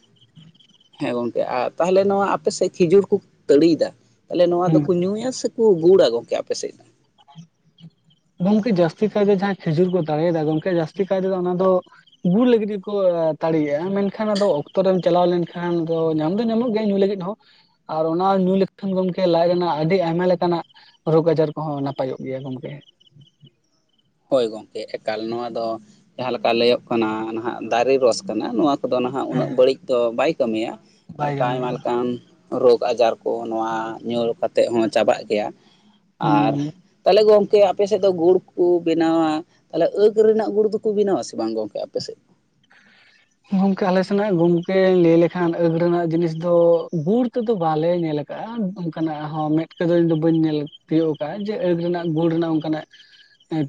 ᱦᱮᱸ ᱜᱚᱝᱠᱮ ᱟᱨ ᱛᱟᱦᱚᱞᱮ ᱱᱚᱣᱟ ᱟᱯᱮᱥᱮᱫ ᱠᱷᱤᱡᱩᱨ ᱠᱚ ᱛᱟᱹᱲᱤᱭᱮᱫᱟ ᱛᱟᱦᱚᱞᱮ ᱱᱚᱣᱟ ᱦᱩᱸ ᱫᱚᱠᱚ ᱧᱩᱭᱟ ᱥᱮ ᱩ ᱜᱩᱲᱟ ᱜᱚᱝᱠᱮ ᱟᱯᱮᱥᱮᱫ ᱫᱚ ᱜᱚᱝᱠᱮ ᱡᱟᱹᱥᱛᱤ ᱠᱟᱭᱛᱮ ᱡᱟᱦᱟᱸ ᱠᱷᱤᱡᱩᱨ ᱠᱚ ᱫᱟᱲᱮᱭᱟᱫᱟ ᱜᱚᱝᱠᱮ ᱡᱟᱹᱥᱛᱤ ᱠᱟᱭ ᱛᱮᱫᱚ ᱚᱱᱟ ᱫᱚ ᱜᱩᱲ ᱞᱟᱹᱜᱤᱫ ᱜᱮᱠᱚ ᱛᱟᱹᱲᱤᱜ-ᱟ ᱢᱮᱱᱠᱷᱟᱱ ᱟᱫᱚ ᱚᱠᱛᱚ ᱨᱮᱢ ᱪᱟᱞᱟᱣ ᱞᱮᱱᱠᱷᱟᱱ ᱧᱟᱢ ᱫᱚ ᱧᱟᱢᱚᱜ ᱜᱮ ᱧᱩ ᱞᱟᱹᱜᱤᱫ ᱦᱚᱸ ᱟᱨ ᱚᱱᱟ ᱧᱩ ᱞᱮᱠᱷᱟᱱ ᱜᱚᱢᱠᱮ ᱞᱟᱡ ᱨᱮᱱᱟᱜ ᱟᱹᱰᱤ ᱟᱭᱢᱟ ᱞᱮᱠᱟᱱᱟᱜ ᱨᱳᱜᱽ ᱟᱡᱟᱨ ᱠᱚᱦᱚᱸ ᱱᱟᱯ ᱱᱟᱯᱟᱭᱚᱜ ᱜᱮᱭᱟ ᱜᱚᱢᱠᱮ ᱦᱳᱭ ᱜᱚᱢᱠᱮ ᱮᱠᱟᱞ ᱱᱚᱣᱟ ᱫᱚ ᱡᱟᱦᱟᱸᱮ ᱞᱮᱠᱟ ᱞᱟᱹᱭᱚᱜ ᱠᱟᱱᱟ ᱱᱟᱦᱟᱜ ᱫᱟᱨᱮ ᱨᱚᱥ ᱠᱟᱱᱟ ᱱᱚᱣᱟ ᱠᱚ ᱠᱚᱫᱚ ᱱᱟᱦᱟᱜ ᱩᱱᱟᱹᱜ ᱦᱮᱸ ᱵᱟᱹᱲᱤᱡ ᱫᱚ ᱵᱟᱭ ᱠᱟᱹᱢᱤᱭᱟ ᱵᱟᱭ ᱮᱠᱟ ᱟᱭᱢᱟ ᱜᱟᱱᱚᱜᱼᱟ ᱞᱮᱠᱟᱱ ᱨᱳᱜᱽ ᱟᱡᱟᱨ ᱠᱚ ᱱᱚᱣᱟ ᱧᱩ ᱠᱟᱛᱮᱫ ᱦᱚᱸ ᱪᱟᱵᱟᱜ ᱜᱮᱭᱟ ᱟᱨ ᱦᱩᱸ ᱛᱟᱦᱚᱞᱮ ᱜᱚᱝᱠᱮ ᱟᱯᱮᱥᱮᱫ ᱫᱚ ᱜᱩᱲ ᱠᱚ ᱵᱮᱱᱟᱣᱟ ᱛᱟᱦᱚᱞᱮ ᱟᱹᱠ ᱨᱮᱱᱟᱜ ᱜᱩᱲ ᱫᱚᱠᱚ ᱵᱮᱱᱟᱣᱟ ᱥᱮ ᱵᱟᱝ ᱜᱚᱝᱠᱮ ᱟᱯᱮ ᱥᱮᱫ? ᱜᱚᱝᱠᱮ ᱟᱞᱮ ᱥᱮᱱᱟᱜ ᱜᱚᱝᱠᱮ ᱞᱟᱹᱭ ᱞᱮᱠᱷᱟᱱ ᱟᱹᱜ ᱨᱮᱱᱟᱜ ᱡᱤᱱᱤᱥ ᱫᱚ ᱜᱩᱲ ᱛᱮᱫᱚ ᱵᱟᱞᱮ ᱧᱮᱞ ᱟᱸ ᱚᱱᱠᱟᱱᱟᱜ ᱦᱚᱸ ᱢᱮᱫ ᱛᱮᱫᱚ ᱤᱧ ᱫᱚ ᱵᱟᱹᱧ ᱧᱮᱞ ᱛᱤᱭᱳᱜ ᱠᱟᱜ-ᱟ ᱡᱮ ᱟᱹᱜ ᱨᱮᱱᱟᱜ ᱜᱩᱲ ᱨᱮᱱᱟᱜ ᱚᱱᱠᱟᱱᱟᱜ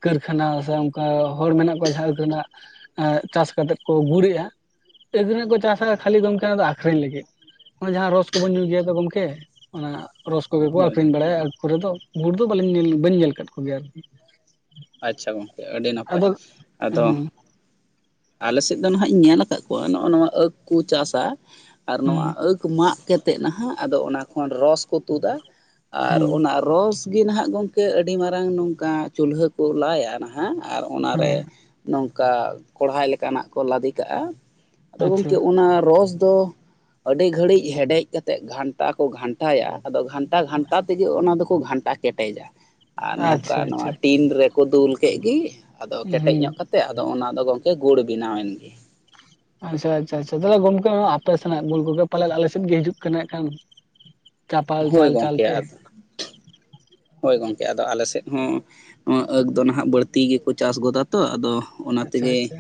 ᱠᱟᱹᱨᱠᱷᱟᱱᱟ ᱥᱮ ᱚᱱᱠᱟ ᱦᱚᱲ ᱢᱮᱱᱟᱜ ᱠᱚᱣᱟ ᱡᱟᱦᱟᱸ ᱟᱹᱠ ᱨᱮᱱᱟᱜ ᱮᱸ ᱪᱟᱥ ᱠᱟᱛᱮᱜ ᱠᱚ ᱜᱩᱲᱮᱡᱜ-ᱟ ᱮᱵᱟᱨᱮ ᱠᱚ ᱪᱟᱥᱟ ᱠᱷᱟᱹᱞᱤ ᱜᱚᱢᱠᱮ ᱟᱫᱚ ᱟᱠᱷᱨᱤᱧ ᱞᱟᱹᱜᱤᱫ᱾ ᱱᱚᱜ-ᱚᱭ ᱡᱟᱦᱟᱸ ᱨᱚᱥ ᱠᱚᱵᱩᱱ ᱧᱩᱭ ᱜᱮᱭᱟ ᱛᱚ ᱜᱚᱢᱠᱮ ᱚᱱᱟ ᱨᱚᱥ ᱠᱚᱜᱮ ᱠᱚ ᱦᱳᱭ ᱟᱠᱷᱨᱤᱧ ᱵᱟᱲᱟᱭᱟ ᱟᱨ ᱯᱚᱨᱮ ᱫᱚ ᱜᱩᱲ ᱫᱚ ᱵᱟᱹᱞᱤᱧ ᱧᱮᱞ ᱵᱟᱹᱧ ᱧᱮᱞ ᱟᱠᱟᱫ ᱠᱚ ᱜᱮᱭᱟ ᱟᱨᱠᱤ᱾ ᱟᱪᱪᱷᱟ ᱜᱚᱢᱠᱮ ᱟᱹᱰᱤ ᱱᱟᱯᱟᱭ ᱟᱫᱚ ᱟᱫᱚ, ᱦᱩᱸ ᱟᱞᱮ ᱥᱮᱫ ᱫᱚ ᱱᱟᱦᱟᱜ ᱤᱧ ᱧᱮᱞ ᱟᱠᱟᱫ ᱠᱚᱣᱟ ᱱᱚᱜᱼᱚ ᱱᱚᱣᱟ ᱟᱸᱠᱷ ᱠᱩ ᱪᱟᱥᱟ ᱟᱨ ᱦᱩᱸ ᱱᱚᱣᱟ ᱟᱸᱠ ᱢᱟᱜ ᱠᱮᱛ ᱛᱮ ᱱᱟᱦᱟᱜ ᱟᱫᱚ ᱚᱱᱟ ᱠᱷᱚᱱ ᱨᱚᱥ ᱠᱚ ᱛᱩᱫᱟ ᱟᱨ ᱦᱩᱸ ᱟᱨ ᱨᱚᱥ ᱜᱮ ᱱᱟᱦᱟᱜ ᱜᱚᱢᱠᱮ ᱟᱹᱰᱤ ᱢᱟᱨᱟᱝ ᱱᱚᱝᱠᱟ ᱪᱩᱞᱦᱟᱹ ᱠᱩ ᱞᱟᱭᱟ ᱱᱟ ᱦᱮᱸ ᱟᱨ ᱦᱩᱸ ᱚᱱᱟᱨᱮ ᱦᱮᱸ ᱱᱚᱝᱠᱟ ᱠᱚᱲᱦᱟᱭ ᱞᱮᱠᱟᱱᱟᱜ ᱠᱚ ᱞᱟᱫᱮ ᱠᱟᱜᱼᱟ, ᱟᱫᱚ ᱟᱪᱪᱷᱟ ᱜᱚᱢᱠᱮ ᱚᱱᱟ ᱨᱚᱥ ᱫᱚ ᱟᱹᱰᱤ ᱜᱷᱟᱹᱲᱤᱡ ᱦᱮᱰᱮᱡ ᱠᱮᱛᱮᱡ ᱜᱷᱟᱱᱴᱟ ᱠᱚ ᱜᱷᱟᱱᱴᱟᱭᱟ ᱟᱫᱚ ᱜᱷᱟᱱᱴᱟ ᱜᱷᱟᱱᱴᱟ ᱛᱮᱜᱮ ᱚᱱᱟ ᱫᱚᱠᱚ ᱜᱷᱟᱱᱴᱟ ᱠᱮᱴᱮᱡᱟ᱾ ᱟᱨ ᱱᱚᱝᱠᱟ ᱟᱪᱪᱷᱟ ᱱᱚᱣᱟ ᱟᱪᱪᱷᱟ ᱴᱤᱱ ᱨᱮᱠᱚ ᱫᱩᱞ ᱠᱮᱜ ᱜᱮ ᱟᱫᱚ ᱠᱮᱴᱮᱡ ᱦᱩᱸ ᱧᱚᱜ ᱠᱟᱛᱮ ᱟᱫᱚ ᱚᱱᱟᱫᱚ ᱜᱚᱝᱠᱮ ᱜᱩᱲ ᱵᱮᱱᱟᱣᱮᱱ ᱜᱮ᱾ ᱟᱪᱪᱷᱟ ᱟᱪᱪᱷᱟ ᱟᱪᱷᱟ ᱛᱟᱦᱚᱞᱮ ᱜᱚᱝᱠᱮ ᱟᱯᱮ ᱥᱮᱱᱟᱜ ᱜᱩᱲ ᱠᱚᱜᱮ ᱯᱟᱞᱮᱱ ᱟᱞᱮᱥᱮᱫ ᱜᱮ ᱦᱤᱡᱩᱜ ᱠᱟᱱᱟ ᱮᱠᱷᱟᱱ? ᱪᱟᱛᱟᱞ ᱦᱳᱭ ᱪᱟᱞ ᱜᱚᱢᱠᱮ ᱪᱟᱞᱛᱮ ᱟᱫᱚ ᱦᱳᱭ ᱜᱚᱝᱠᱮ ᱟᱫᱚ ᱟᱞᱮᱥᱮᱫ ᱦᱚᱸ ᱟᱹᱠ ᱫᱚ ᱱᱟᱦᱟᱜ ᱵᱟᱹᱲᱛᱤ ᱜᱮᱠᱚ ᱪᱟᱥ ᱜᱚᱫᱟ ᱛᱚ ᱟᱫᱚ ᱚᱱᱟ ᱟᱪᱪᱷᱟ ᱛᱮᱜᱮ ᱟᱪᱪᱷᱟ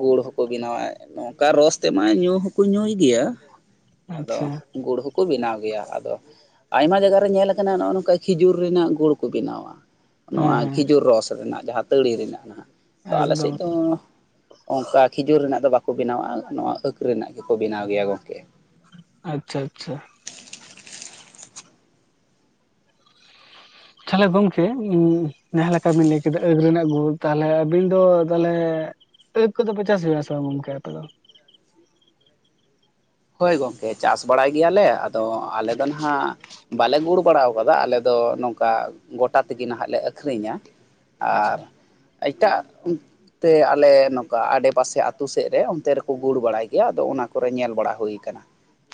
ᱜᱩᱲ ᱦᱚᱸᱠᱚ ᱵᱮᱱᱟᱣᱟ ᱱᱚᱝᱠᱟ ᱨᱚᱥ ᱛᱮᱢᱟ ᱧᱩ ᱦᱚᱸᱠᱚ ᱧᱩᱭ ᱜᱮᱭᱟ ᱟᱫᱚ ᱟᱪᱪᱷᱟ ᱜᱩᱲ ᱦᱚᱸᱠᱚ ᱵᱮᱱᱟᱣ ᱜᱮᱭᱟ ᱟᱫᱚ ᱟᱭᱢᱟ ᱡᱟᱭᱜᱟ ᱨᱮ ᱧᱮᱞ ᱟᱠᱟᱱᱟ ᱱᱚᱜ-ᱚ ᱱᱚᱝᱠᱟ ᱠᱷᱮᱡᱩᱨ ᱨᱮᱱᱟᱜ ᱜᱩᱲ ᱠᱚ ᱵᱮᱱᱟᱣᱟ ᱱᱚᱣᱟ ᱦᱮᱸ ᱦᱮᱸ ᱠᱷᱤᱡᱩᱨ ᱨᱚᱥ ᱨᱮᱱᱟᱜ ᱡᱟᱦᱟᱸ ᱛᱟᱹᱲᱤ ᱨᱮᱱᱟᱜ ᱱᱟᱦᱟᱜ᱾ ᱠᱟ ᱟᱞᱮ ᱮᱠᱫᱚᱢ ᱥᱮᱫ ᱫᱚᱸ ᱚᱱᱠᱟ ᱠᱷᱤᱡᱩᱨ ᱨᱮᱱᱟᱜ ᱫᱚ ᱵᱟᱠᱚ ᱵᱮᱱᱟᱣᱟ ᱱᱚᱣᱟ ᱟᱹᱠᱷ ᱨᱮᱱᱟᱜ ᱜᱮᱠᱚ ᱵᱮᱱᱟᱣ ᱜᱮᱭᱟ ᱜᱚᱢᱠᱮ᱾ ᱟᱪᱪᱷᱟ ᱟᱪᱪᱷᱟ᱾ ᱛᱟᱦᱚᱞᱮ ᱜᱚᱝᱠᱮ ᱩᱸᱜ ᱡᱟᱦᱟᱸ ᱞᱮᱠᱟ ᱵᱤᱱ ᱞᱟᱹᱭ ᱠᱮᱫᱟ ᱟᱹᱜ ᱨᱮᱱᱟᱜ ᱜᱩᱲ ᱛᱟᱦᱞᱮ ᱟᱵᱤᱱ ᱫᱚ ᱛᱟᱦᱚᱞᱮ ᱟᱹᱠᱷ ᱠᱚ ᱫᱚ ᱯᱮ ᱪᱟᱥ ᱡᱚᱸᱜᱟᱱᱟ ᱥᱮ ᱜᱚᱢᱠᱮ ᱟᱯᱮ ᱫᱚ? ᱦᱳᱭ ᱜᱚᱝᱠᱮ ᱪᱟᱥ ᱵᱟᱲᱟᱭ ᱜᱮᱭᱟᱞᱮ ᱟᱫᱚ ᱟᱞᱮ ᱫᱚ ᱱᱟᱦᱟᱜ ᱵᱟᱞᱮ ᱜᱩᱲ ᱵᱟᱲᱟ ᱠᱟᱫᱟ ᱟᱞᱮ ᱫᱚ ᱱᱚᱝᱠᱟ ᱜᱚᱴᱟ ᱛᱮᱜᱮ ᱱᱟᱦᱟᱜ ᱞᱮ ᱟᱹᱠᱷᱨᱤᱧᱟ᱾ ᱟᱪᱪᱷᱟ ᱟᱨ ᱮᱴᱟᱜ ᱛᱮ ᱟᱞᱮ ᱱᱚᱝᱠᱟ ᱟᱰᱮᱯᱟᱥᱮ ᱟᱛᱩ ᱥᱮᱫ ᱨᱮ ᱚᱱᱛᱮ ᱨᱮᱠᱚ ᱜᱩᱲ ᱵᱟᱲᱟᱭ ᱜᱮᱭᱟ ᱟᱫᱚ ᱚᱱᱟ ᱠᱚᱨᱮ ᱧᱮᱞ ᱵᱟᱲᱟ- ᱦᱩᱭ ᱠᱟᱱᱟ᱾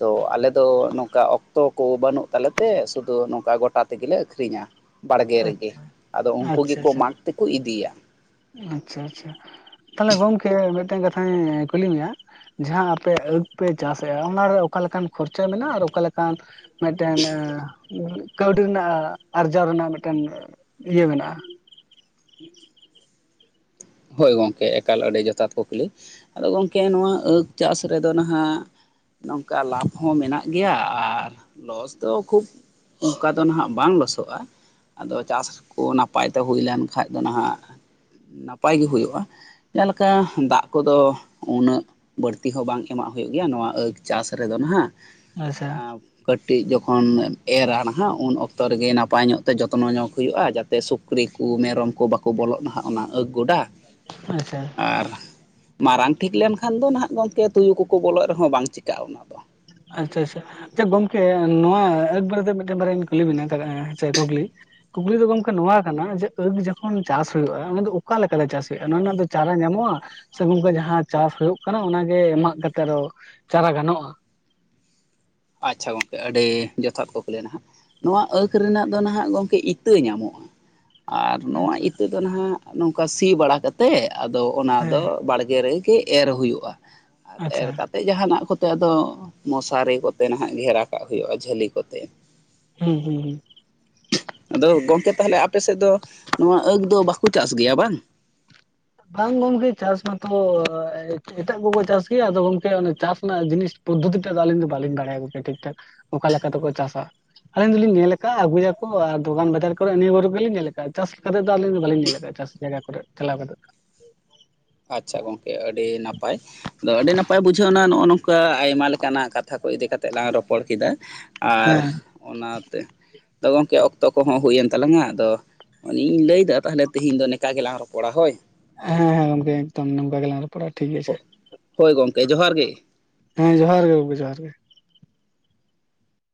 ᱛᱚ ᱟᱞᱮ ᱫᱚ ᱱᱚᱝᱠᱟ ᱚᱠᱛᱚ ᱠᱩ ᱵᱟᱹᱱᱩᱜ ᱛᱟᱞᱮ ᱛᱮ ᱥᱩᱫᱩ ᱱᱩᱝᱠᱟ ᱜᱚᱴᱟ ᱛᱮᱜᱤᱞᱮ ᱟᱹᱠᱷᱨᱤᱧᱟ᱾ ᱵᱟᱲᱜᱮ ᱨᱮᱜᱮ ᱟᱪᱪᱷᱟ ᱟᱫᱚ ᱩᱝᱠᱩ ᱟᱪᱪᱷᱟ ᱜᱤᱠᱩ ᱟᱪᱪᱷᱟ ᱢᱟᱜᱽ ᱛᱤᱠᱩ ᱤᱫᱤᱭᱟ᱾ ᱟᱪᱪᱷᱟ ᱟᱪᱪᱷᱟ ᱛᱟᱦᱚᱞᱮ ᱜᱚᱝᱠᱮ ᱢᱤᱫᱴᱮᱱ ᱠᱟᱛᱷᱟᱧ ᱠᱩᱞᱤ ᱢᱤᱭᱟ, ᱡᱟᱸᱦᱟ ᱟᱯᱮ ᱟᱹᱠ ᱯᱮ ᱪᱟᱥᱮ‌ ᱟ ᱚᱱᱟᱨᱮ ᱚᱠᱟ ᱞᱮᱠᱟᱱ ᱠᱷᱚᱨᱪᱟ ᱢᱮᱱᱟᱜᱼᱟ ᱟᱨ ᱚᱠᱟ ᱞᱮᱠᱟᱱ? ᱢᱤᱫᱴᱮᱱ ᱟᱸ ᱠᱟᱹᱣᱰᱤ ᱨᱮᱱᱟᱜ ᱟᱨᱡᱟᱣ ᱨᱮᱱᱟᱜ ᱢᱤᱫᱴᱮᱱ ᱤᱭᱟᱹ ᱢᱮᱱᱟᱜ-ᱟ᱾ ᱦᱳᱭ ᱜᱚᱢᱠᱮ ᱮᱠᱟᱞ ᱟᱹᱰᱤ ᱡᱚᱛᱷᱟᱛ ᱠᱩᱠᱞᱤ ᱟᱫᱚ ᱜᱚᱢᱠᱮ ᱱᱚᱣᱟ ᱟᱹᱜ ᱪᱟᱥ ᱨᱮᱫᱚ ᱱᱟᱦᱟᱜ ᱱᱚᱝᱠᱟ ᱞᱟᱵᱷ ᱦᱚᱸ ᱢᱮᱱᱟᱜ ᱜᱮᱭᱟ ᱟᱨ ᱞᱚᱥ ᱫᱚ ᱠᱷᱩᱵ ᱚᱱᱠᱟ ᱫᱚ ᱱᱟᱦᱟᱜ ᱵᱟᱝ ᱞᱚᱥᱚᱜ-ᱟ᱾ ᱟᱫᱚ ᱪᱟᱥ ᱠᱚ ᱱᱟᱯᱟᱭᱛᱮ ᱦᱩᱭ ᱞᱮᱱᱠᱷᱟᱡ ᱫᱚ ᱱᱟᱦᱟᱜ, ᱱᱟᱯᱟᱭ ᱜᱮ ᱦᱩᱭᱩᱜ-ᱟ᱾ ᱡᱮ ᱞᱮᱠᱟ ᱫᱟᱜ ᱠᱚᱫᱚ ᱩᱱᱟᱹᱜ ᱵᱟᱹᱲᱛᱤ ᱦᱚᱸ ᱵᱟᱝ ᱮᱢᱟᱜ ᱦᱩᱭᱩᱜ ᱜᱮᱭᱟ ᱱᱩᱣᱟ ᱟᱹᱠ ᱪᱟᱥ ᱨᱮᱫᱚ ᱱᱟᱦᱟᱜ, ᱟᱪᱪᱷᱟ ᱮᱸ ᱠᱟᱹᱴᱤᱡ ᱡᱚᱠᱷᱚᱱ ᱮᱨᱟ ᱱᱟᱦᱟᱜ ᱩᱱ ᱚᱠᱛᱚ ᱨᱮᱜᱮ ᱱᱟᱯᱟᱭ ᱧᱚᱜ ᱛᱮ ᱡᱚᱛᱱᱚ ᱧᱚᱜ ᱦᱩᱭᱩᱜ-ᱟ ᱡᱟ ᱛᱮ ᱥᱩᱠᱨᱤ ᱠᱚ ᱢᱮᱨᱚᱢ ᱠᱚ ᱵᱟᱠᱚ ᱵᱚᱞᱚᱜ ᱱᱟᱦᱟᱜ ᱚᱱᱟ ᱟᱹᱜ ᱜᱚᱰᱟ ᱟᱪᱷᱟ ᱟᱨ ᱢᱟᱨᱟᱝ ᱴᱷᱤᱠ ᱞᱮᱱᱠᱷᱟᱱ ᱫᱚ ᱱᱟᱦᱟᱜ ᱜᱚᱢᱠᱮ ᱛᱩᱭᱩ ᱠᱚᱠᱚ ᱵᱚᱞᱚᱜ ᱨᱮᱦᱚᱸ ᱵᱟᱝ ᱪᱤᱠᱟᱹᱜᱼᱟ ᱚᱱᱟᱫᱚ ᱟᱪᱷᱟ ᱟᱪᱷᱟ ᱟᱪᱷᱟ ᱜᱚᱢᱠᱮ ᱱᱚᱣᱟ ᱟᱹᱠ ᱵᱟᱨᱮᱛᱮ ᱢᱤᱫ ᱴᱮᱱ ᱵᱟᱨᱭᱟᱧ ᱠᱩᱞᱤ ᱵᱮᱱᱟ [inaudible] ᱠᱩᱠᱞᱤ ᱠᱩᱠᱞᱤ ᱫᱚ ᱜᱚᱝᱠᱮ ᱱᱚᱣᱟ ᱠᱟᱱᱟ ᱡᱮ ᱟᱹᱠ ᱡᱚᱠᱷᱚᱱ ᱪᱟᱥ ᱦᱩᱭᱩᱜᱼᱟ ᱚᱱᱟ ᱫᱚ ᱚᱠᱟ ᱞᱮᱠᱟᱞᱮ ᱪᱟᱥ ᱦᱩᱭᱩᱜᱼᱟ ᱚᱱᱟ ᱨᱮᱱᱟᱜ ᱫᱚ ᱪᱟᱨᱟ ᱧᱟᱢᱚᱜᱼᱟ ᱥᱮ ᱜᱚᱝᱠᱮ ᱡᱟᱦᱟᱸ ᱪᱟᱥ ᱦᱳᱭᱳᱜ ᱠᱟᱱᱟ ᱚᱱᱟᱜᱮ ᱢᱟᱜ ᱠᱟᱛᱮ ᱫᱚ ᱪᱟᱨᱟ ᱜᱟᱱᱚᱜᱼᱟ ᱟᱪᱷᱟ ᱜᱚᱝᱠᱮ ᱟᱹᱰᱤ ᱡᱚᱛᱷᱟᱛ ᱠᱩᱠᱞᱤ ᱱᱟᱦᱟᱜ ᱱᱚᱣᱟ ᱟᱹᱠᱷ ᱨᱮᱱᱟᱜ ᱫᱚ ᱱᱟᱦᱟᱜ ᱜᱚᱝᱠᱮ ᱤᱛᱟᱹ ᱧᱟᱢᱚᱜᱼᱟ ᱟᱨ ᱱᱚᱣᱟ ᱟᱪᱪᱷᱟ ᱤᱛᱟᱹ ᱫᱚ ᱱᱟᱦᱟᱜ ᱱᱚᱝᱠᱟ ᱥᱤ ᱵᱟᱲᱟ ᱠᱟᱛᱮ ᱟᱫᱚ ᱚᱱᱟ ᱦᱮᱸ ᱫᱚ ᱵᱟᱲᱜᱮ ᱨᱮᱜᱮ ᱮᱨ ᱦᱩᱭᱩᱜᱼᱟ ᱟᱨ ᱮᱨ ᱟᱪᱪᱷᱟ ᱠᱟ ᱮᱱᱛᱮᱫ ᱡᱟᱦᱟᱱᱟᱜ ᱠᱚᱛᱮ ᱟᱫᱚ ᱢᱚᱥᱟᱨᱤ ᱠᱚᱛᱮ ᱱᱟᱦᱟᱜ ᱜᱷᱮᱨᱟ ᱠᱟᱜ ᱦᱩᱭᱩᱜᱼᱟ ᱡᱷᱟᱹᱞᱤ ᱠᱚᱛᱮ ᱦᱩᱸ ᱦᱩᱸ ᱦᱩᱸ ᱟᱫᱚ ᱜᱚᱝᱠᱮ ᱛᱟᱦᱚᱞᱮ ᱟᱯᱮ ᱥᱮᱫ ᱫᱚ ᱱᱚᱣᱟ ᱟᱹᱜ ᱫᱚ ᱵᱟᱠᱚ ᱪᱟᱥ ᱜᱮᱭᱟ ᱵᱟᱝ ᱵᱟᱝ ᱜᱚᱢᱠᱮ ᱪᱟᱥ ᱢᱟᱛᱚ ᱮᱴᱟᱜ ᱠᱚᱠᱚ ᱪᱟᱥ ᱜᱮᱭᱟ ᱟᱫᱚ ᱜᱚᱝᱠᱮ ᱚᱱᱮ ᱪᱟᱥ ᱨᱮᱱᱟᱜ ᱡᱤᱱᱤᱥ ᱯᱚᱫᱷᱚᱛᱤ ᱛᱮ ᱫᱚ ᱟᱹᱞᱤᱧ ᱫᱚ ᱵᱟᱹᱞᱤᱧ ᱵᱟᱲᱟᱭᱟ ᱜᱚᱝᱠᱮ ᱴᱷᱤᱠ ᱴᱷᱟᱠ ᱚᱠᱟ ᱞᱮᱠᱟ ᱛᱮᱠᱚ ᱪᱟᱥᱟ ᱟᱹᱞᱤᱧ ᱫᱚᱞᱤᱧ ᱧᱮᱞ ᱟᱠᱟᱫᱼᱟ ᱟᱹᱜᱩᱭᱟᱠᱚ ᱟᱨ ᱫᱚᱠᱟᱱ ᱵᱟᱡᱟᱨ ᱠᱚᱨᱮ ᱱᱤᱭᱟᱹ ᱵᱚᱨ ᱜᱮᱞᱮᱧ ᱧᱮᱞ ᱟᱠᱟᱫᱼᱟ ᱪᱟᱥ ᱠᱟᱛᱮᱫ ᱫᱚ ᱟᱹᱞᱤᱧ ᱫᱚ ᱵᱟᱞᱤᱧ ᱧᱮᱞ ᱟᱠᱟᱫᱼᱟ ᱪᱟᱥ ᱡᱟᱭᱜᱟ ᱠᱚᱨᱮ ᱪᱟᱞᱟᱣ ᱠᱟᱛᱮᱫ ᱟᱪᱪᱷᱟ ᱜᱚᱝᱠᱮ ᱟᱹᱰᱤ ᱱᱟᱯᱟᱭ ᱟᱫᱚ ᱟᱹᱰᱤ ᱱᱟᱯᱟᱭ ᱵᱩᱡᱷᱟᱹᱣ ᱮᱱᱟ ᱱᱚᱜᱼᱚ ᱱᱚᱝᱠᱟ ᱟᱭᱢᱟ ᱞᱮᱠᱟᱱᱟᱜ ᱠᱟᱛᱷᱟ ᱠᱚ ᱤᱫᱤ ᱠᱟᱛᱮᱫ ᱞᱟᱝ ᱨᱚᱯᱚᱲ ᱠᱮᱫᱟ᱾ ᱟᱨ ᱦᱮᱸ ᱚᱱᱟ ᱛᱮ ᱛᱚ ᱜᱚᱢᱠᱮ ᱚᱠᱛᱚ ᱠᱚᱦᱚᱸ ᱦᱩᱭᱮᱱ ᱛᱟᱞᱟᱝᱟ ᱟᱫᱚ ᱚᱱᱮᱧ ᱞᱟᱹᱭᱫᱟ ᱛᱟᱦᱞᱮ ᱛᱮᱦᱮᱧ ᱫᱚ ᱱᱮᱠᱟ ᱜᱮᱞᱟᱝ ᱨᱚᱯᱚᱲᱟ ᱦᱳᱭ ᱦᱮᱸ ᱦᱮᱸ ᱜᱚᱝᱠᱮ ᱮᱠᱫᱚᱢ ᱱᱚᱝᱠᱟ ᱜᱮᱞᱟᱝ ᱨᱚᱯᱚᱲᱟ ᱴᱷᱤᱠ ᱟᱪᱷᱮ᱾ ᱦᱳᱭ ᱜᱚᱝᱠᱮ ᱡᱚᱦᱟᱨ ᱜᱮ᱾ ᱦᱮᱸ ᱡᱚᱦᱟᱨ ᱜᱮ ᱜᱚᱝᱠᱮ ᱡᱚᱦᱟᱨ ᱜᱮ